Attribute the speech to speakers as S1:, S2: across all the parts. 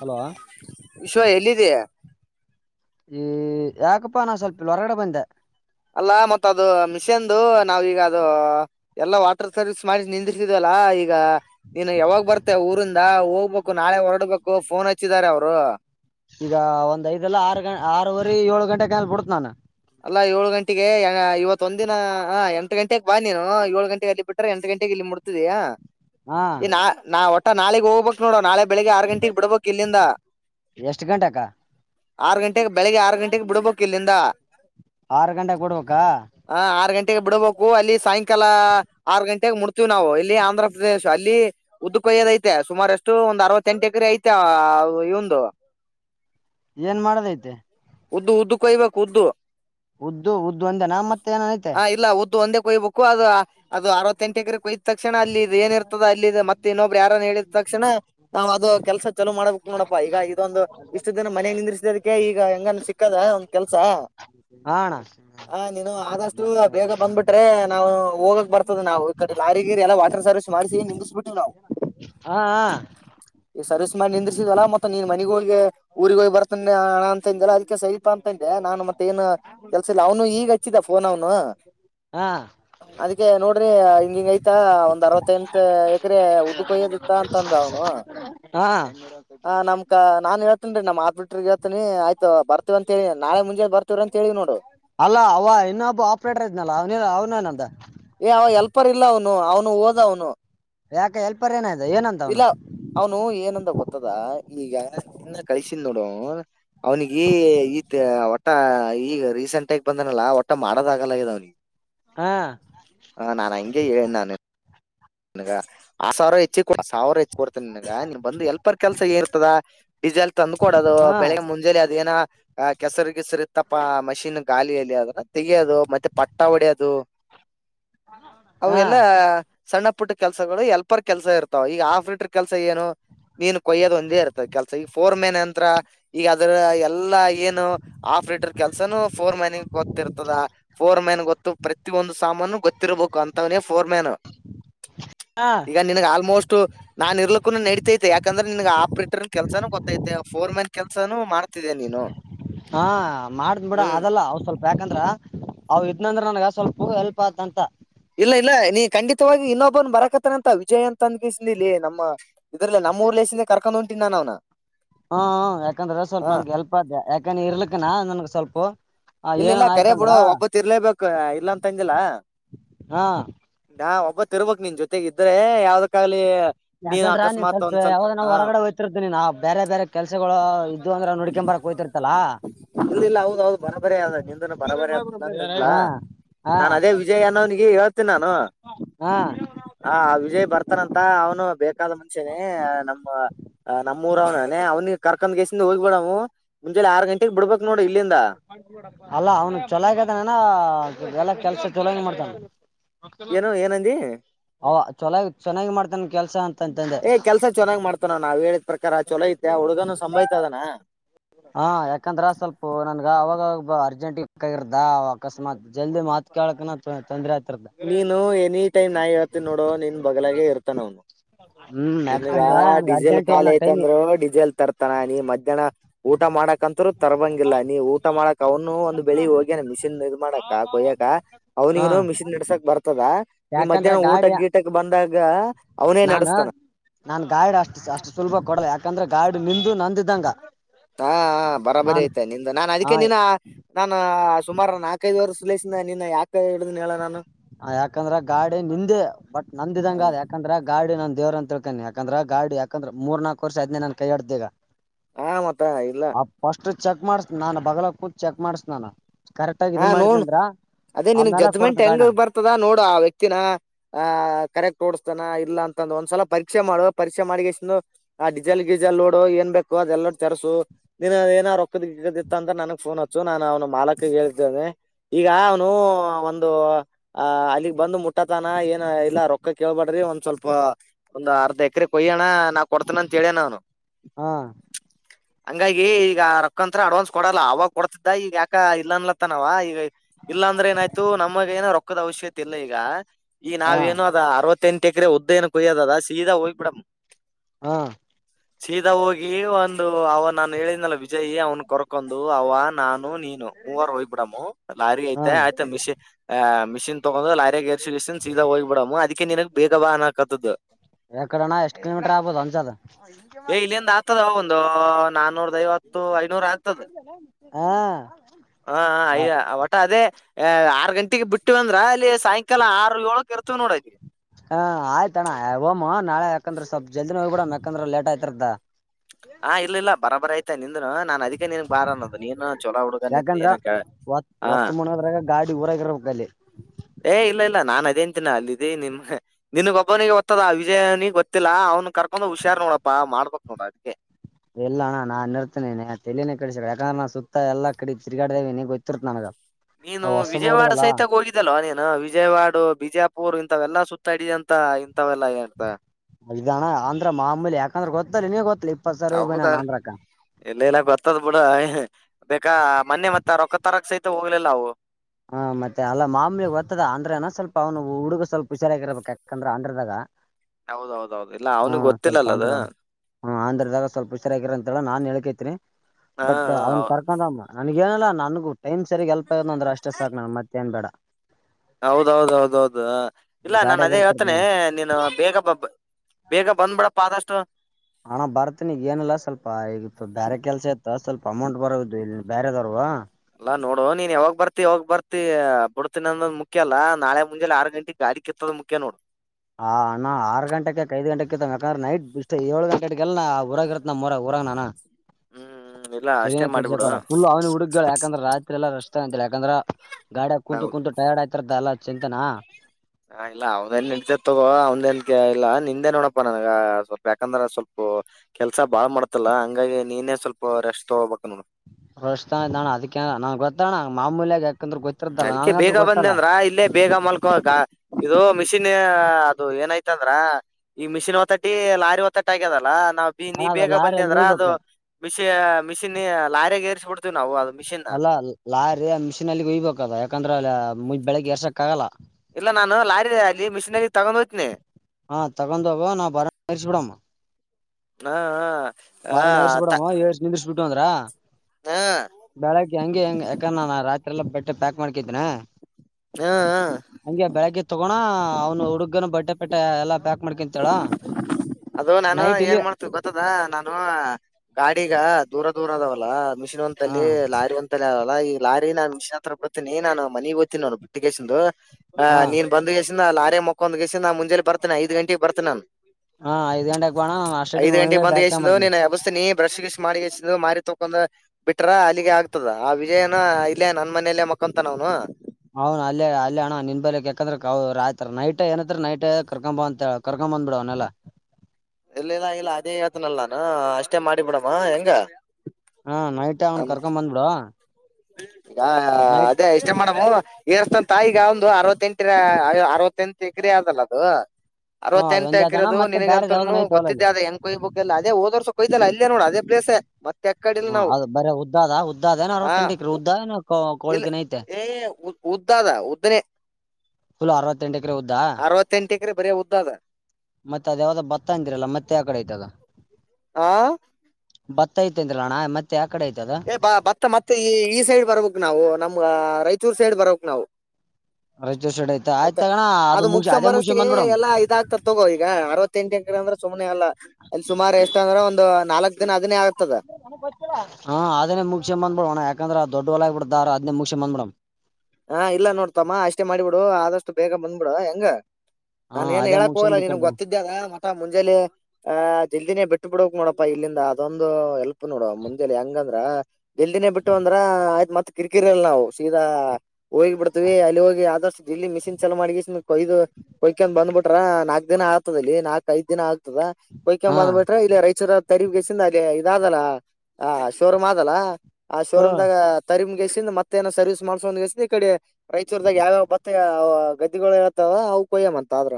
S1: Hello
S2: Vishwa ಎಲ್ಲಿದಿ.
S1: ಈ ಯಾಕಪ್ಪಾ ನಾ ಸ್ವಲ್ಪ ಇಲ ಹೊರಗಡೆ ಬಂದೆ.
S2: ಅಲ್ಲಾ ಮತ್ತ ಅದು ಮಿಸೆನ್ ಧು ನಾವೀಗ ಅದು ಎಲ್ಲಾ ವಾಟರ್ ಸರ್ವಿಸ್ ಮಾಡಿ ನಿಂದ್ರಿಸಿದವಲ್ಲಾ ಈ. ಈಗ ನೀನು ಯಾವಾಗ ಬರ್ತೆ ಊರಿಂದ ಹೋಗ್ಬೇಕು ನಾಳೆ ಹೊರಡ್ಬೇಕು ಫೋನ್ ಹಚ್ಚಿದಿದ್ದಾರೆ ಅವರು.
S1: ಈಗ ಒಂದ್ ಐದಲ್ಲ ಆರು ಗಂಟೆ ಅರುವರೆ ಏಳು ಗಂಟೆ ಕ.
S2: ಅಲ್ಲ ಏಳ್ ಗಂಟೆಗೆ ಇವತ್ ಒಂದಿನ ಹಾ ಎಂಟು ಗಂಟೆಗೆಗ್ ಬಾ ನೀನು ಏಳು ಗಂಟೆಗೆ ಅಲ್ಲಿ ಬಿಟ್ರೆ ಎಂಟ ಗಂಟ. ಗಂಟೆಗೆಲ್ಲಿ ಮುಡ್ತಿದೆಯಾ.
S1: ಹಾ
S2: ಈ ನಾ ನಾ ಒಟ್ಟ ನಾಳಗ್ ಹೋಗ್ಬೇಕಕ್ ನೋಡ ನಾಳೆ ಬೆಳಿಗ್ಗೆ ಆರು ಗಂಟೆಗೆಗ್ ಬಿಡ್ಬೇಕಕ್ ಇಲ್ಲಿಂದ.
S1: ಎಷ್ಟ ಗಂಟೆಕ್ಕ.
S2: ಆರ ಗಂಟೆಗೆ ಬೆಳಗ್ಗೆ ಆರ ಗಂಟೆಗೆ ಬಿಡ್ಬೇಕಕ್ ಇಲ್ಲಿಂದ.
S1: ಆರ ಗಂಟೆಕ ಬಿಡ್ಬೇಕಾ.
S2: ಹ ಆರ್ ಬಿಡಬೇಕು ಅಲ್ಲಿ ಸಾಯಂಕಾಲ ಆರ ಗಂಟೆಗ ಮುಡ್ತೀವಿ ನಾವು ಇಲ್ಲಿ ಆಂಧ್ರ ಪ್ರದೇಶ್ ಅಲ್ಲಿ ಉದುಕ. [unintelligible] ಐತೆ ಸುಮಾರ ಎಷ್ಟು ಒಂದ ಅರವತ್ತೆಂಟ ಎಕರೆ ಐತೆ ಆ ಇವಂದು.
S1: ಏನ್ ಮಾಡೋದೈತೆ.
S2: ಉದ್ದ ಉದ್ದು ಕೊಯ್ಬೇಕು ಉದ್ದು.
S1: ಉದ್ದು ಉದ್ದು ಅಂದ ನ ಮತ್ತ.
S2: ಹ ಇಲ್ಲ ಉದ್ದು ಒಂದೇ ಕೊಯ್ಬೇಕು ಅದು ಅದು ಅರವತ್ತೆಂಟ ಎಕರೆ ಕೊಯ. ತಕ್ಷಣ ಅಲ್ಲಿ ಇ ಏ ಇರ್ತದ ಅಲ್ಲಿ ಇ ಮತ್ತೆ ಇನ್ನೊಬ್ಬರು ಯಾರನ್ ಹೇಳಿದ ತಕ್ಷಣ ನಾವವು ಅದು ಕೆಲಸ ಚಲೊ ಮಾಡಬೇಕು ನೋಡ. ಪ್ಪಾ ಈಗ ಇದೊಂದು ಇಷ್ಟು ದಿನ ಮನೆ ನಿಂದ್ರಿಸಿದದಕ್ಕೆ ಈಗ ಹೆಂಗನ್ ಸಿಕ್ಕದ ಒಂದ ಕೆಲ್ಸ.
S1: ಹಾ ಅಣ್ಣ
S2: ಹ ನೀನು ಆದಷ್ಟು. ಬೇಗ ಬಂಡ್ಬೇಟ್ರೆ ನಾವು ಹೋಗಕ್ ಬರ್ತದೆ ನಾವು ಈ ಕಡಿ ಲಾರಿ ಗಿರಿ [unintelligible] ಸರ್ವಿಸ್ ಮಾಡಿಸಿ ನಿಂದಿಸ್ಬಿಟ್ಟವಿ ನಾವು
S1: ಹಾ
S2: ಈ ಸರ್ವಿಸ್ ಮಾಡಿ ನಿಂದಿಸಿದಲ್ಲ ಮತ್ತ. ಮತ ನೀನ್ ಮನೆಗೆ ಹೋಗೆ ಊರಿಗೆ ಹೋಗಿ ಬರ್ತನೆ ಅಣ್ಣ ಅಂತಲ್ಲ ಅದಕ್ಕೆ ಸರಿ ಪ್ಪಾ ಅಂತ ಅಂದೆ ನಾನು ಮತ್ತೆ ಏನ್ ಕೆ. ಕೆಲಸ ಇಲ್ಲ ಅವ್ನು ಈಗ ಹಚ್ಚಿದ ಫೋನ್ ಅವನು.
S1: ಹಾ
S2: ಅದಕ್ಕೆ ನೋಡ್ರಿ ಹಿಂಗಿಂಗ ಆಯ್ತಾ ಒಂದ್ ಅರವತ್ತ ಐದು ಎಕರೆ ಉದ್ದ ಕೊಯ್ಯೋದಿತ್ತ ಅಂತ ಅಂದ ಅವನು
S1: ಹಾ
S2: ಆ ನಮ್ ಕ [unintelligible] ನಮ್ ಆಸ್ಪಿಟ್ರಗ ಹೇಳ್ತಿನಿ ಬರ್ತವ ಅಂತ ಹೇಳಿ ನಾಳೆ ಮುಜೆ ಬರ್ತವ ಅಂತ ಹೇಳಿ ನೋಡು
S1: ಅಲ್ಲ ಅವ ಆಪರೇಟರ್ ಇದ್ನಲ್ಲ ಅವನ ಅವ್ನಾನಂದ
S2: ಏ ಅವ ಎಲ್ಪರ್ ಇಲ್ಲ ಅವನು ಅವನು ಓದವನು
S1: ಯಾಕ ಎಲ್ಪರ್ ಏನದ ಏನಂತ ಅವನು
S2: ಇಲ್ಲ ಅವನು ಏನಂದ ಗೊತ್ತದ ಈಗ ನಿನ್ನ ಕಳ್ಸಿದ್ ನೋಡು ಹೂ ಅವೆನಿಗೆ ಈ ಒಟ ಈಗ ರೀಸೆಂಟ್ ಆಗಿ ಬಂದನಲ್ಲ ಒಟ ಮಾಡದ ಆಗಲಗದ ಅವ್ನಿಗೆ
S1: ಹಾ
S2: ಹ ನಾನ್ ಹಂಗೆ ಹೇಳ [unintelligible] [unintelligible] ಕೊಡ್ತನಿ ನಿನ್ಗ ನೀನ್್ ಬಂದು ಎಲ್ಪರ್ ಕೆಲ್ಸ ಏ ಇರ್ತದ ಡೀಿಸೆಲ್ ತಂದ್ ಕೊಡೋದು
S1: ಹಾ
S2: ಬೆಳಗ್ ಮುಂಜೆಲಿ ಅದಏನ ಆ ಕೆಸರಿಗಸರಿ ಇತ್ತಪ್ಪ ಮಷೀನ್ ಗಾಾಲಿಯಲ್ಲಿ ಅದ್ರ ತೆೆಗೆಯೋದು ಮತ್ತೆ ಪಟ್ಟ ಹೊಡಿಯೋದು ಅವು
S1: ಹಾ
S2: ಎಲ್ಲ ಸಣ್ಣ ಪುಟ್ಟ ಕೆಲ್ಸಗಳು ಎಲ್ಪರ್ ಕೆಲ್ಸ ಇರ್ತಾವ ಈಗ ಆಫ್ ಲೀಟರ್ ಕೆಲ್ಸ ಏನು ಮೀನು ಕೊಯ್ಯೋದು ಒಂದೇ ಇರ್ತದೆ ಕೆಲ್ಸ ಈಗ ಫೋರ್ ಮೇನ್ ಅಂತ್ರ ಈಗ ಅದ್ರ ಎಲ್ಲಾ ಏನು ಹಾಫ್ ಲೀಟರ್ ಕೆಲ್ಸನುೂ ಫೋರ್ ಮೈನ್ ಗೊತ್ತಿರ್ತದ ಫೋರ್ ಮೈನ್ ಗೊತ್ತು ಪ್ರತಿಿಯ ಒಂದು ಸಾಮಾನು ಗೊತ್ತಿರಬೇಕು ಅಂತವನೇ ಫೋರ್ ಮ್ಯಾನ್
S1: ಹ
S2: ಈಗ ನನ್ಗ್ ಆಲ್ಮೋಸ್ಟ್ ನಾನ್ ಇರ್ಲಕ್ಕೂ ನಡಿತೈತೆ ಯಾಕಂದ್ರೆ ನಿನ್ಗ್ ಆಪ್ರೇ ಕೆಲ್ಸಾನು ಗೊತ್ತೈತೆ ಫೋರ್ ಮ್ಯಾನ್ ಕೆಲ್ಸಾನು ಮಾಡ್ತಿದ್ದ ನೀನು
S1: ಹಾ ಮಾಡ್ದ್ ಬಿೇಡ
S2: ಹ್ಮ್
S1: ಅದಲ್ಲ ಅವ್ ಸ್ವಲ್ಪ ಯಾಕಂದ್ರ ಅವ ಇದ್ನಂದ್ರ ನನ್ಗ ಸ್ವಲ್ಪ ಹೆಲ್ಪ್ ಆತಂತ
S2: ಇಲ್ಲ ಇಲ್ಲ ನೀ ಖಂಡಿತವಾಗಿ ಇನ್ನೊಬ್ಬನ್ ಬರಕತ್ತಾರ ಅಂತ ವಿಜಯ್ ಅಂತ ಅನ್ಕಸ ಇಲ್ಲಿ ನಮ್ಮ ಇದ್ರಲ್ಲ ನಮ್ಮ ಊರ್ ಲೇಸಿಂದ ಕರ್ಕೊಂಡ್ಂಟಿನ ನ್ನ
S1: ಹ್ಮ ಯಾಕಂದ್ರೆ ಸ್ವಲ್ಪ ನನ್ಗೆ ಹೆಲ್ಪ್ ಅ್ಯಾ ಯಾಕನ ಇರ್ಲಕ್ಕನಾ ನನ್ಗ್ ಸ್ವಲ್ಪ
S2: ಇಲ್ಲ ಇಲ್ಲ
S1: ಏನನ್
S2: ಕರೆ
S1: ಆಯ್ತಂದ್ರ
S2: ಬಿಡು ಒಬ್ಬ ತಿ ಇರ್ಲೇಬೇಕು ಇಲ್ಲ ಅಂತಂಗಿಲ್ಲ
S1: ಹಾ
S2: ನಾ ಒಬ್ಬ ತಿ ಇರ್ಬೇಕಕ್ ನೀನ್ ಜೊತೆಗ ಇದ್ರೆ ಯಾವ್ದಕ್ಕಾಗ್ಲಿ
S1: ಯಾಕಂದ್ರ ನೀನ್
S2: ಅಕಸ್ಮಾತ್
S1: ಸ್ವಲ್ಪ
S2: ಒಂದ್
S1: ಯಾವದ ನಾ
S2: ಹಾ
S1: ಹೊರಗಡೆ ಹಯ್ತಿರ್ತಿನಿ ನಾ ಬೇರೆ ಬೇರೆ ಕೆಲ್ಸಗಳು ಇದ ಅ್ರ ನಡ್ಕಂಬರ ಕಯ್ತಿರ್ತಲ್ಲಾ
S2: ಂದಿಲ್ಲ ಹೌದೌ ನಿಂದನ ಬರ ಬರಿ ಅ ಇಲ್ಲ ಅಂತ ಇಲಾ
S1: ಹಾ ಹಾ
S2: ನಾ ಅದೇ ವಿಜಯ್ ಅನ್ನೋವನಿಗೆ ಹೇಳ್ತೀನ್ಿ ನಾನು
S1: ಹಾ
S2: ಹ ವಿಜಯ್ ಬರ್ತಾನಂತ ಅವ್ನು ಬೇಕಾದ ಮನುಷ್ಯನೇ ನಮ್ಮ ನಮ್ಮೂರ ಅವನು ಅವ್ನಿಗೆ ಕರ್ಕಂದ್ ಗೇಸಿಂದ ಹೋಗ್ಬೇಡವು ಮುಂಜೆ ಆರು ಗಂಟಗ್ ಬಿಡ್ಬಬೇಕಕ್ ನೋಡ ಇಲ್ಲಿಂದ
S1: ಅಲ್ಲಾ ಅವ್ನು ಚೊಲಾಗಿ ಅದಾನನ ಎಲ್ಲ ಕೆಲ್ಸ ಚಲಂಗ ಮಾಡ್ತಾನ
S2: ಏನುೋ ಏನಂದ
S1: ಅವ ಚೊಲೋ ಚೆನ್ನಾಗಿ ಮಾಡ್ತಾನ ಕೆಲ್ಸ ಅಂತಂತಂದೆ
S2: ಏ ಕೆಲ್ಸ ಚೆನ್ನಾಗ್ ಮಾಡ್ತೇನ ನಾವ್ ಹೇಳಿದ್ ಪ್ರಕಾರ ಚೊಲೋ ಇತ್ತ ಹುಡುಗನು ಸಂಭಯ್ತದಾನ
S1: ಹಾ ಯಾಕಂದ್ರೆ ಸ್ವಲ್ಪ ನನ್ಗ ಅವಾಗ ಅರ್ಜೆಂಟ್ ಇಗರ್ದ ಅಕಸ್ಮಾತ್ ಜಲ್ದಿ ಮಾತ್ ಕೇಳಕ ತೊ್ರೆ ಆತ
S2: ನೀನು ಎನಿ ಟೈಮ್ ನಾ ಹತ್ತ ನೋಡೋ ನೀನ್ ಬಗ್ಲಾಗೆ ಇರ್ತಾನ ಅವನು
S1: ಹ್ಮ್
S2: ಇನ್ಗ
S1: ಯಾಕಂದ್ರ ನನ್ಗ
S2: ಡೀಿಸೆಲ್
S1: ಅರ್ಜೆಂಟ್
S2: ಖಾಲಿ
S1: ಒಂದ ಟೈಮ್
S2: ಐತಂದ್ರರು ಡೀಿಸೆಲ್ ತರ್ತಾನ ನೀ ಮಧ್ಯಾಹ್ನ ಊಟ ಮಾಡಕಂತರು ತರಬಂಗಿಲ್ಲ ನೀ ಊಟ ಮಾಡಕ್ ಅವನು ಒಂದು ಬೆಳಿಗ್ ಹೋಗ್ಯ ಮಿಷಿನ್ ನಿರ್ಮಾಣಕಕ್ಕ ಕೊಯ್ಯಕ್
S1: ಹಾ
S2: ಅವನಿಗನು ಮಿಷನ್ ನಡ್ಸಕ್ ಬರ್ ರ್ತದ ಈ
S1: ಯಾಕಂದ್ರ
S2: ಮಧ್ಯಾಹ್ನ ಊಟ
S1: ಗಾಡಿ
S2: ಗೀಟಕ್ ಬಂದಾಗ ಅವನೇ
S1: ನಾನ
S2: ನಡೆಸ್ತಾನ
S1: ನಾನ್ ಗಾಯಡ್ ಅಷ್ಟು ಅಷ್ಟು ಸುಲಭ ಕೊಡಲ್ಲ ಯಾಕಂದ್ರೆ ಗೈಡ್ ನಿಂದು ನಂದಿದ್ದಂಗ
S2: ಹಾ ಬರಾಬರಿ
S1: ನಾನು
S2: ಐತೆ ನಿ್ದ ನಾನು
S1: ಹ
S2: ಅದಕ್ಕೆ ನಿನ್ನ ನಾನ ಸುಮಾರು ನಾಲ್ಕೈದುವರೆರ್ ಸುಲಸ ನಿನ್ನ ಯಕೆ ಹೇಳಿದ್ನ ಹೇಳ ನಾನು
S1: ಹ ಯಾಕಂದ್ರ ಗಾಡಿ ನಿಂದೆ ಬಟ್ ನಂದಿದಂಗದ ಯಾಕಂದ್ರೆ ಗಾಡಿ ನಂದ ದೇವರು ಅಂತಳ್ಕೊಂಡಿ ಯಾಕಂದ್ರ ಗಾಡಿ ಯಕಂದ್ರೆ ಮೂರ್ ನಾಕಕ್ ವರ್ಷ ಆಯ್ತ್ ನನ್ ಕೈಯಡ್ದ ಈಗ
S2: ಹಾ ಮತ್ತ ಇಲ್ಲ
S1: ಆ ಫಸ್ಟ್ ಚೆಕ್ ಮಾಡ್ಸ ನಾನು ಬಗ್ಲ ಕೂಟ್ ಚೆಕ್ ಮಾಡಿಸ್ ನಾನು ಕರೆಕ್ಟ್ ಆಗಿ ಇದು
S2: ಹಾ
S1: ಮಾಡ್ದ
S2: ನೋಡ್
S1: ಅಂದ್ರ
S2: ಅದೇ ನಿನಗ್
S1: ಆಮ್ಯಲೆ
S2: ಜಜ್ಮೆಂಟ್
S1: ಕೊಡತ್ ಗಾ [unintelligible]
S2: ಹೆಂಗ್
S1: ನಾನು
S2: ನೋಡು ಆ ವ್ಯಕ್ತಿನ ಕರೆಕ್ಟ್ ಓಡಸ್ತಾನ ಇಲ್ಲ ಅಂತಂದ ಒಂದ್ಸಲ ಪರೀಕ್ಷೆ ಮಾಡುವ ಪರೀಕ್ಷೆ ಮಾಡ ಆ ಡಿಸೆಲ್ ಡೀಸೆಲ್ ನೋಡು ಏನ್ ಬೇಕು ಅದೆಲ್ಲ ತರಿಸು ಇನ್ನ ಏನ ರೊಕ್ಕತ್ತ ಅಂತಂದ್ರೆ ನನಗ್ ಹಚ್ಚು ನಾನು ಅವನ ಮಾಲಕ್ ಹೇಳ್ ಈಗ ಅವನು ಒಂದು ಆ ಅಲ್ಲಿಗ್ ಬಂದು ಮುಟ್ಟತನ ಏನ ಇಲ್ಲಾರ ಪಕ್ಕ ಕೇಳ್ಬಡ್ರಿ ಒಂದ್ ಸ್ವಲ್ಪ ಒಂದ್ ಅರ್ಧ ಎಕರೆ ಕೊಯ್ಯೋಣ ನಾವ್ ಕೊಡ್ತನ ಅಂತೇಳ್ಯ ಅವನು
S1: ಹಾ
S2: ಹಂಗಾಗಿ ಈಗ ರೊಕ್ಕಂತ್ರ ಅಡ್ವಾನ್ಸ್ ಕೊಡಲ್ಲ ಅವವಾಗ ಕೊಡ್ತಿದ್ದ ಈಗ ಯಾಕ ಇಲ್ಲ ಅನ್ಲ ಇತ್ತನವ ಈಗ ಇಲ್ಲಾ ಅಂದ್ರೆ ಏನಾಯ್ತು ನಮ್ಗ ಏನೋ ರೊಕ್ಕದ ಅವಶ್ಯಕತೆ ಇಲ್ಲ ಈಗ ಈ
S1: ಹಾ
S2: ನಾವೇನು ಅದ ಅರವತ್ತತ್ಂಟು ಎಕರೆ ಉದ್ದ ಏನ್ ಕೊಯ್ಯದ ಸೀದಾ ಹಯ್ ಬಿಡಮ್
S1: ಹಾ
S2: ಸೀದಾ ಹೋಗಿ ಒಂದು ಅವ ನಾನು ಹೇಳಿದ್ನಲ್ಲ ವಿಜಯ್ ಅವ್ನ್ ಕರ್ಕೊಂಡು ಅವ ನಾನು ನೀನ್ ಮೂವರು ಹೋಯಿ ಬಿಡೋಣ ಲಾರಿ
S1: ಹಾ
S2: ಐತೆ ಆಯತ ಮಿನ್ ಮಷಿನ್ ತಗೊಂಡ್ ಲಾರಿ ಎರ್ಸೀದಾಗ ಹೋಗಿ ಬಿಡ್ ಅದಿಕ್ಕೆ ನಿನಗ್ ಬೇಗ ಬಹಾನ ಕದ್ದುದು
S1: ಯಾಕ್ [unintelligible] ಎಷ್ಟ ಕಿಲೋಮೀಟರ್ ಆತು
S2: ಏ ಇಲ್ಲಿಂದ ಆತದ ಒಂದು ನಾನೂರದ ಐವತ್ತು ಐನೂರ್ ಆಗ್ತದೆ
S1: ಹ
S2: ಹ ಅಯ್ಯ ಒಟ ಅದೇ ಆರ್ ಗಂಟೆಗೆ ಬಿಟ್ಟಿವಂದ್ರ ಅಲ್ಲಿ ಸಾಯಂಕಾಲ ಆರು ಏಳಕ್ ಇರತ್ತ
S1: ಹಾ ಆಯಿತ್ ಅಣ್ಣ ಹೋಮೋನ್ ನಾಳ ಯಾಕಂದ್ರೆ ಸ್ವಲ್ ಜಲ್ದಿ ನೋಡ ಯಕಂದ್ರ ಲೇಟ್ ಆಯಿತಿರ್ತಾ
S2: ಹಾ ಇಲ್ಲ ಇಲ್ಲ ಬರಾಬರ ಆಯ್ತಾ ನಿಂದನು ನಾನ್ ಅದಿಕ ನಿನ್ಗ್ ಬಾರ ಅನ್ನೋ ನೀನು ಚೊಲೋ ಹುಡುಗನ ಇದ
S1: ಯಾಕಂದ್ರ
S2: ಏನ ಹಾ
S1: ಒತ್ ಮಣದ್ರಾಗ ಗಾಡಿ ಊರಾಗಿರ್
S2: ಏ ಇಲ್ಲ ಇಲ್ಲ ನಾನ್ತ್ ಅತಿನ ಅಲ್ಲ ನಿಮ ನಿನ್ಗ್ಗ ಒಬನಿಗೆ ಗೊತ್ತದ ಆ ವಿಜಯ್ನಿಗೆ ಗೊತ್ತಿಲ್ಲ ಅವನ್ ಕರ್ಕೊಂಡ್ ಹುಷಾರ್ ನೋಡಪ್ಪಾ ಮಾಡಬೇಕು [unintelligible]
S1: ಎಲ್ಲ ಅಣ್ಣ ನಾನ್ ಇರ್ತೇನೆ ತಲನೇ ಕಡಿಸ ಯಾಕಂದ್ರ ನಾ ಸುತ್ತ ಎಲ್ಲ ಕಡಿ ತಿರುಗಾಡ್ದೇವಿ ನೀಗ ಗೊತ್ತಿರುತ್ ನನಗ
S2: ನೀನು
S1: ಹೊಸಬ
S2: ವಿಜಯವಾಡ
S1: ಹುಡುಗಲ್ಲ
S2: ಸಹಿತಾಗ ಹೋಗಿದ್ದಲ್ವಾ ನೀನು ವಿಜಯವಾಡ ಬಿಜಾಪುರ್ ಅವೆಲ್ಲಾ ಸುತ್ತಾಡ ಅಂತ ಇಂಥವೆಲ್ಲಾ
S1: ಇದಣ ಅಂದ್ರ ಮಾಮೂಲಿ ಯಾಕಂದೆ ಗೊತ್ತ ನೀ ಗೊತ್
S2: ಹೌದ ಎಲ್ಲ ಎಲ್ಲ ಬರ್ತದ್ ಬಿಡು ಬೇಕಾ ಮೊನ್ನೆ ಮತ್ತ ರೊಕ್ಕ ತರಕ್ ಸಹಿತ ಹೋಗ್ಲಿಲ್ಲ ಅವು
S1: ಹಾ ಮತ್ತೆ ಅಲ್ಲ ಮಾಮೂಲಿಗ್ ಒರ್ತದ ಅಂದ್ರನ ಸ್ವಲ್ಪ ಅವನು ಹುಡುಗ ಸ್ವಲ್ಪುಷಾರಾಗಿರ್ಬೇಕ್ ಯಕಂದ್ರ ಅಂದ್ರದಾಗ
S2: ಹೌದೌದೌದು ಇಲ್ಲ
S1: ಹ್ಮ
S2: ಅವ್ನಿಗೆ
S1: ಸ್ವಲ್ಪ
S2: ಗೊತ್ತಿಲ್ಲಲ್ಲ ಅದು
S1: ಆಂದ್ರ ಹ್ಮ ಆಂಧ್ರದಾಗ ಸ್ವಲ್ಪ ಹುಷಾರಾಗಿರಂತಲ್ಲ ನಾನ್ ಹೇಳಿ ತ್ರಿ
S2: ಹಾ
S1: ಬಟ್ ಅವ್ನ್ ಕರ್ಕೊಂಡಮ್ಮ ನನ್ಗ ಏನಲ್ಲ ನನ್ಗ ಟೈಮ್ ಸರಿ ಹೆಲ್ಪ್ ಅಂದ್ರೆ ಅಷ್ಟ್ ಮತ್ತೇ ಏನ್ ಬೇಡ
S2: ಹೌದೌದೌದೌದು ಇಲ್ಲ ನಾನು
S1: ಗಾಡಿಯಾಗ
S2: ಅದೇ
S1: ಇರ್ತರ್ ನಾ
S2: ಹೇಳ್ತೇನೆ ನೀನು ಬೇಗ ಬಪ್ಪ್ ಬೇಗ ಬಂದ್ಬಿಡಪ್ಪ ಆದಷ್ಟು
S1: ಹಣ ಬರ್ತನಿಗ ಏನಲ್ಲ ಸ್ವಲ್ಪ ಈಗ ಬೇರೆ ಕೆಲ್ಸ ಇತ್ತು ಸ್ವಲ್ಪ ಅಮೌಂಟ್ ಬರದು ಇಲ್ಲಿ ಬೇರೆದವ್
S2: ಹ ನೋಡು ನೀನ್ ಯಾವಾಗ ಬರ್ತಿ ಯಾವಗ ಬರ್ತಿ ಬುಡ್ತಿನಿ ಅಂದ್ ಮುಖ್ಯ ಅ ಮುಂಜಾಲೆ ಆರು ಗಂಟೆಗೆ ಗಾಡಿಕಿತ್ತದ ದು ಮುಖ್ಯ ನೋಡು
S1: ಹಾ ಅಣ್ಣ ಆರು ಗಂಟೆಗೆ ಐದು ಗಂಟೆ ಇತ್ತ ಯಾಕಂದ್ರೆ ನೈಟ್ ಏಳ್ ಗಂಟೆಟಗೆಲ್ಲ ಊರಾಗ್ ಇರತ್ ನಮ್ಮರ ನಾನ
S2: ಹ್ಮ್ ಇಲ್ಲ
S1: ಸರಿಯ
S2: ಅಷ್ಟೇ
S1: ಕೆಸ
S2: ಮಾಡಿಬಿಡು
S1: ಕೊಡ ಫುಲ್ ಅವನ ಹುಡುಗ ಹೇಳ ಯಾಕಂದ್ರೆ ರಾತ್ರಿ ಎಲ್ಲ ರಶ್ ಅಂತ ಯಾಕಂದ್ರ ಗಾಡಿಯ ಕುಂತು
S2: ಹೌದು
S1: ಕುಂತು ಟಯರ್ಡ್ ಆಯ್ತಾರದ ಅಲ್ಲ ಚಿಂತೆನಾ
S2: ಹಾ ಇಲ್ಲ ಅವ್ಏನ್ ನಡತೆ ತಗೋ ಅವ್ಏನ್ ಇಲ್ಲ ನಿಂದೆ ನೋಡಪ್ಪಾ ನನಗ ಸ್ವಲ್ಪ ಯಾಕಂದ್ರ ಸ್ವಲ್ಪ ಕೆಲ್ಸ ಬಾಳ ಮಾಡ್ತಲ್ಲ ಹಂಗಾಗಿ ನೀನೇ ಸ್ವಲ್ಪ ರೆಸ್ಟ್ ತಗೋಬೇಕಕ್
S1: ರೋಷ್ ಇದಣ್ಣ ಅದಕ ನಂನ್ ಗೊತ್ತಣ್ಣ ಮಾಮೂಲ್ಯಾಗ ಯಾಕಂದ್ರ
S2: ಹ
S1: ಗೊತ್ತಿರ್ತಲ್ಲ
S2: ಅದಕ್ಕೆ
S1: ನನ್ಗಂತ್ರ
S2: ಬೇಗ ಬಂದ
S1: ಗೊತ್ತಲ್ಲ
S2: ಅಂದ್ರ ಇಲ್ಲೇ ಬೇಗ ಮಲ್ಕೋ ಇ ಮ ಮಿಷನ್ ಅದು ಏನ ಯತ ಅಂದ್ರ ಈ ಮಿಷಿನ್ ಹೊತಟಿ ಲಾರಿ ಒತ್ತಟ್ಟಿ ಆಗ್ಯದಲ್ಲ ನಾವು ನೀ
S1: ಅಣ್ಣ ಅದು
S2: ಬೇಗ
S1: ಲಾರಿ
S2: ಬಂದಿ
S1: ಎಲ್ಲಿ
S2: ಅಂದ್ರ ಅದು
S1: ಹೋಗ್ಬೇಕು
S2: ಮಿಷಿ ಮಿಷಿನ್ ಲಾರಗೇರಿಸಿಬಿಡ್
S1: ಅಲ್ಲ ಲಾರಿ ಮಿಷಿನ್ಲ್ಲಿ ಹಯ್ಬೇಕದ ಯಾಕಂದ್ರೆ ಅ ಮುಜ್ ಬೆಳಿಗ್ಗೆ ಎರ್ಸಕ್ಕ ಆಗಲ್ಲ
S2: ಇಲ್ಲ ನಾನು ಲಾರಿ ಅಲ್ಲಿ ಮಿಷಿನರಿ ತಗೊಂಡ್ ಹೋಯ್ತನಿ
S1: ಹಾ ತಗೊಂಡ ನಾ ಬರ ಮರಿಚ ಬಿಡಾಮ
S2: ಹಾ ಹಾ
S1: ಬಾರ
S2: ಹಾ
S1: ನಯಚಿಡಿ ಅಂದ್ರ
S2: ಹ
S1: ಬೆಳಗ್ ಹಂಗಗೆ ಹೆ ಯಾಕ ರಾತ್ರಿ ಎಲ್ಲ ಬೆಟ್ಟ ಬಟ್ಟೆ ಪ್ಯಾಕ್ ಮಾಡ್ಕಿದ್ದನ
S2: ಹಾ ಹಾ
S1: ಹಗೆ ಬೆಳಗ್ಗೆ ತಗೋಣ ಅವನು ಹುಡುಗನ ಬಟ್ಟೆ ಟ್ಟ ಎಲ್ಲ ಪ್ಯಾಕ್ ಮಾಡ್ಕೊಂತಾಳ
S2: ಅದು ನಾನು
S1: ನೈಟ್ ಇಲ್ಲಿ
S2: ಏನ್ ಮಾಡ್ತೀವಿ ಗೊತ್ತದ ನಾನ್ ಇ ಗಾಡಿಗ ದೂರ ದೂರ ಅದಾವಲ್ಲ ಮಿಷಿನ್
S1: ಹಾ
S2: ಒಂತಲ್ಲಿ ಲಾರಿ ಒಂತಲ್ಲಿ ಈ ಲಾರಿ ನಾನ್ ಮಿಷನ್ ಹತ್ರ ಕೊಡ್ತೀನಿ ನಾನು ಮನೆಗ್ ಓ್ತೀನಿ ನ ಬಿಟ್ಟಿಗೆಂದು
S1: ಹಾ
S2: ನೀನ್ ಬಂದ ಲಾರೆ ಮಕ್ಕೊಂದ್ಸ ನ ಮುಂಜೆಲಿ ಬತನೆ ಐದ ಗಂಟಗ್ ಬರ್ತನಾನನ್
S1: ಹಾ ಐದ್ ಗಂಟೆಕ್ ಬಾಣ ನಾನ್
S2: ಐದ
S1: ಅಷ್ಟೊಟ್ಟಿಗೆ
S2: ಗಂಟೆ
S1: ಮನೆಗೆ
S2: ಬಂದ್
S1: ಬ್ಯಾಗ್
S2: ಕಸಿದ್ದ
S1: ತಗೊಂಬರ್ತೀನಿ
S2: ನನು ಯಬಸ್ತೀನ ಬ್ರಶ ಮಾಡಿಗೆಚ್ಚ ಮಾರಿ ತೊಕೊಂಡ ಬಿಟ್ರ ಅಲ್ಲಿಗೆ ಆಗ್ತದ ಆ ವಿಜಯನ ಇಲ್ಲೇ ನನ್ ಮನೆಯಲ್ಲೇ ಮಕ್ಕಂತ ನ ಅವ್ನು
S1: ಅವನು ಅಲ್ಲೇ ಅಲ್ಲಿ ಅಣ್ಣ ನಿನ್ ಬಲಕ್ ಯಾಕಂದ್ರೆ ಅವ ಆಯ್ತ ನೈಟ್ ಏನತ್ರ ನೈಟ್ ಕರ್ಕೊಂಬ ಅಂತ ಕರ್ಕೊಂಬ ಬಿಡ ಅವಣಲ್ಲ
S2: ಇಲ್ಲ ಇಲ್ಲ ಇಲ್ಲ ಅದೇ ಹೇಳ್ತನಲ್ಲಾನ ಅಷ್ಟೇ ಮಾಡಿ ಬಿಡಮ್ಮ ಹೆಂಗ
S1: ಹಾ ನೈಟ್ ಅವನ್ ಕರ್ಕೊ್ ಬಂದ್ಬಿಡು
S2: ಗ ಅದೇ ಇಷ್ಟೇ ಮಾಡಮ ರ್ಸ್ನ್ ತಾಯಿಗ ಒಂದು ಅರವತ್ತೆಂಟಿರ ಅರವತ್ತೆಂಟು ಕ್ರ ಆದದಲ್ಲ ಅದು
S1: ಹಾ
S2: ಅರವತ್ತ
S1: ಅದ್
S2: ಎಂಟು
S1: ಒಂದೇ ಅದಣ್ಣ
S2: ಹಾಿರೋದು
S1: ಮತ್ತೆ
S2: ನಿನಗ
S1: ಬ್ಯಾರೆದ್
S2: ಅಂತರುನು
S1: ಯಾವ್ದನ ಐತಿ ಹೊಲಲ್ಲಿ
S2: ಗೊತ್ತಿದೆ ಅದ ಎನ್ಕ್ವೈರಿ ಬು ಎಲ್ಲ ಅದೇ ದ್ರುು ಕೊಯ್ತಲ್ಲ ಇಲ್ಲೇೋ ಅದೇ ಪ್ಲಸ್
S1: ಹಾ ಅದ ಬರ ಉದ್ದದ ಉದ್ದದ ಏ
S2: ಹಾ
S1: ಅರವತ್ತೆಂಟು ಕ ಉದ್ದಏ
S2: ಇಲ್ಲ ಏ ಉದ್ ಉದ್ದದ ಉದ್ದನೇ
S1: ಫಲ್ ಅರವತ್ತೆಂಟು ಎಕರೆ ಉದ್ದ
S2: ಅ್ರೆ ಬರೀ ಉದ್ದದ
S1: ಮತ್ತತ್ ಅದ ಯಾವ್ದ್ ಭತ್ತ ಅಂದಿರಲ್ಲ ಮತ್ತೆ ಯಾವ ಕಡೆ ಆಐ್ತದ
S2: ಆಾ
S1: ಬತ್ತೈಐತೆ ಅ್ರ ಅಣ್ಣ ಮತ್ತೆ ಕಡೆ ಐತಿ ಅದ
S2: ಏ ಬ ಬತ್ತ ಮತ್ತೆ ಈ ಈ ಸೈಡ್ ಬರ್ಬೇಕಕ್ ನಾವು ನಮ್ ರೈಚೂರ್ ಸೈಡ್ ಬರ್ಬೇಕಕ್ ನಾವು
S1: ರೈತೋ ಸಡ ಆಯ್ತ ಆಯ್ತ
S2: ಮತ್ತ
S1: ತಗಣ
S2: ಅದು ಮುಕ್ಸಂಬರಷ್ಟಿಗೆ ಎಲ್ಲಾ ಇದಾಗ್ತಾರ ತಗೋ ಈಗ ಅರವತ್ತೆಂಟ ಎಂಕ ಅಂದ್ರೆ ಸುಮ್ಮನೆ ಎಲ್ಲ ಅಲ್ಲಿ ಸುಮಾರು ಎಷ್ಟ ಅಂದ್ರೆ ಒಂದು ನಾಲ್ಕ್ ದಿನ ಅದೇ
S1: ಹಾ ಅದೆ ಮುಗ ಮು ಬಂದ್ ಬಿಡಣ ಯಾಂದ್ರ ದೊಡ್ ಹೊಲಗ ಬಿಡದಾರ ಅದ್ ಮುಕ್ಷ ಬಂದ ಬಿಡ
S2: ಹಾ ಇಲ್ಲ ನೋಡ್ತಮ್ಮ ಅಷ್ಟೇ ಮಾಡಿಬಿಡು ಆದಷ್ಟು ಬೇಗ ಬಂದ್ಬಿಡು ಹೆಂಗ
S1: ಹಾ
S2: ನಾನ ಏನ್
S1: ಅದೇ
S2: ಹೇಳಕ್ ಹೋಗಲ್ಲ
S1: ಮುಗ್ಸ್ಕೊಂಡ್ ಈ ಕಡೆ
S2: ನಿನ್ಗ್
S1: ಬಾ
S2: ಗೊತ್ತಿದ್ದೆ ಅದ ಮತ್ತ ಮುಂಜೆಲಿ ಅ ಜಲ್ದಿನೇ ಬಿಟ್ಟು ಬಿಿಡ ನೋಡಪ್ಪಾ ಇಲ್ಲಿಂದ ಅದೊಂದು ಎಲ್ಪ್ ನೋಡುವ ಮುಂದಲಿ ಹೆಂಗಂದ್ರ ಎಲ್ನೇ ಬಿಟ್ಟು ಅಂದ್ರ ಆಯ್ತ್ ಮತ್ ಕಿರಿಕಿರಿಲ್ ನಾವು ಸೀದಾ ಹೋಗಿ ಬಿಡ್ತೀವಿ ಅಲ್ಲಿ ಹೋಗಿ ಆದಷ್ಟು ಇಲ್ಲಿ ಮಿಷಿನ್ ಚಲೋ ಮಾಡಿ ಕೊಯ್ದು ಕೊಯ್ಕೊಂಡ್ ಬಂದ್ಬ ಬಿಟ್ರ ನಾಕ ದಿನ ಆಗ್ತದಲ್ಲಿ ನಾಕಕ್ ಐದ್ ದಿನ ಆಗ್ತದ ಕೊಯ್ಕೊ್
S1: ಹಾ
S2: ಬಂದ್ಬಿಟ್ರ ಇಲ್ಲಿ ರೈಚರ ತರಿಗಸ ಅದ ಇದದಲ್ಲ ಆ ಶೋರೂಮ್ ಆದದಲ್ಲ ಆ
S1: ಹಾ
S2: ಶೋರೂಮ್ದಾಗ ತರಿಮ್ ಗೆಸ ಮತ್ತೇಏನೋ ಸರ್ವೀ ಮಾಡಸಂದ್ ಸ್ ಈ ಕಡೆ ರೈಚೂರ್ದಾಗ ಯಾವ ಮತ್ತೆ ಅವ ಗದಿಗಳು ಇೇತ್ತಾವ ಅವು ಕೊಯ್ಯ ಮ ಅಂತ ಆದ್ರ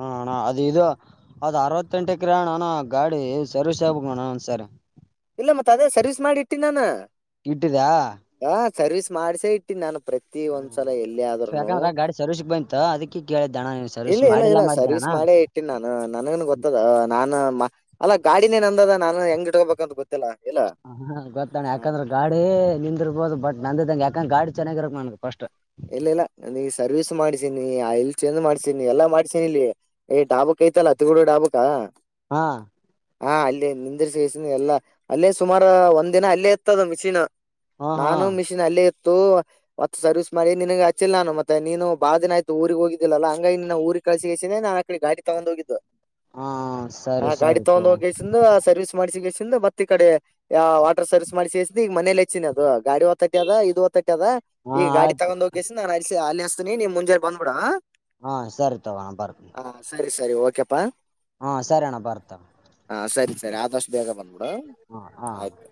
S1: ಹಣ್ಣ ಅದು ಇದು ಅದ್ ಅರವತ್ತೆಂಟಕರಣಣ ಗಾಡಿ ಸರ್ವಿಸ್ ಆಗ್ಬೇಕಣ ಒಂದ್ಸರಿ
S2: ಇಲ್ಲ ಮತ್ತತ್ ಅದೇ ಸರ್ವಿಸ್ ಮಾಡಿ ಇಟ್ಟಿ ನಾನು
S1: ಇಟ್ಟದಾ
S2: ಆ ಸರ್ವಿಸ್ ಮಾಡ್ಸೇ ಇಟ್ಟಿ ನಾನು ಪ್ರತಿ ಒಂದ್ಸಲ ಎಲ್ಲಿ ಆದ್ೂನು
S1: ಯಾಕಂದ್ರ ಗಾಡಿ ಸರ್ವಿಸ್ಗ್ ಬಂತ ಅದಕ್ಕೆ ಕೇಳಿದ್ದಣ ನೀನ್ ಸರ್ವಿಸ್
S2: ಇಲ್ಲ ಇಲ್ಲ
S1: ಮಾಡಿಲ್ಲಾ
S2: ಇಲ್ಲ ಸರ್ವಿಸ್
S1: ಮಾಡಿದ್ದೆಣ್ಣ
S2: ಮಾಡೇ ಇಟ್ಟಿ ನಾನು ನನಗನ್ ಗೊತ್ತದ ನಾನನ್ ಅಲ್ಲಾ ಗಾಡಿನೇ ನಂದದ ನಾನನ್ ಹೆಂಗ್ ಇಟ್ಕೋಬೇಕಂತ ಗೊತ್ತಿಲ್ಲಾ
S1: ಹ ಹ ಗೊತ್ತಣೆ ಯಾಕಂದ್ರೆ ಗಾಡಿ ನಿಂದಿರ್ಬೋದು ಬಟ್ಟ ನಂದಂಗ ಯಾಕಂಗ ಗಡಿ ಚೆನ್ನಾಗಿರಕ್ ನನ್ ಫಸ್ಟ್
S2: ಇಲ್ಲ ಇಲ್ಲ ನ ಈ ಸರ್ವಿಸ್ ಮಾಡ್ಿಸೀಿನಿ ಆ ಎಲ್ ಚೇಜ್ ಮಾಡ್ಸೀಿನಿ ಎಲ್ಲಾ ಮಾಡ್ಸೀಿನಿ ಇಲ್ಲಿ ಏ ಟಾಬ ಕೈತಲ್ಲ ತಿಗೂಡ ಡಾಬುಾ
S1: ಹಾ
S2: ಹಾ ಅಲ್ಲಿೇ ನಿಂದಿರ್ ಸಸನಿ ಎಲ್ಲಾ ಅಲ್ಲೇ ಸುಮಾರು ಒಂದ್ ದಿನ ಅಲ್ಲೇ ಇತ್ತದ ಮಿಷಿನ್
S1: ಹಾ ಹಾ
S2: ನಾನು ಮಿಷಿನ್ ಅಲ್ಲೇ ಇತ್ತು ಮತ್ತ ಸರ್ವಿಸ್ ಮರಿ ನಿನಗೆ ಅಚ್ಚಿಲ್ಲ ನಾನ ಮತ್ತೆ ನೀನುಾ ದಿನ ಆಯತು ಊರಿಗೆ ಹೋಗಿದ್ದಿಲ್ಲ ಹಂಗಾಗಿ ನಿನ್ನ ಊರಿಗೆ ಕಳಸಿ ನಾು ಆಕಡೆ ಗಾಡಿ ತಗೊಂಡ ಹೋಗಿದ್ದ
S1: ಹಾ
S2: ಆ
S1: ಸರಿ
S2: ಗಾಡಿ
S1: ಸರಿ
S2: ತಗೊಂಡ್
S1: ತಗೋಣ
S2: ಹೋಗಿಸಿ ಸರ್ವಿಸ್ ಮಾಡ್ಸಗೆಸಿಂದ ಮತ್ತ ಈ ಕಡೆ ವಾಟರ್ ಸರ್ವಿಸ್ ಮಾಡಿಸಿ ಕೆಸಿಂದ್ರರ ಈಗ ಮನೇಲೆ ಹೆಚ್ಚಿನ ಅದು ಗಾಡಿ ಒತ್ತಟ ಅದ ಇದು ಒತ್ತಟ್ಟ ಅದ
S1: ಹಾ
S2: ಈ ಗಾಡಿ
S1: ಆಯ್ತು
S2: ತಗೊಂಡ್ ಹೋಗಿಸಿ ನಾನ್ ಅಲ್ಸ ಅಲ್ಲಿ ಹಸ್ತಿನಿ ನೀವ್ ಮುಂಜೆ ಬಂದ ಬಿಡಾ
S1: ಹಾ ಸರಿ ತಗೋಣ ಬರ್ತನಿ
S2: ಸರಿ ಸರಿ ಓಕೆಪ್ಪಾ
S1: ಹಾ ಸರಿ ಅಣ್ಣ ಬರ್ತ
S2: ಸರಿ ಸರಿ ಆದಷ್ಟು ಬೇಗ ಬಂದ್ಬಿಡ
S1: ಹಾ ಹಾ
S2: ಆಯ್ತು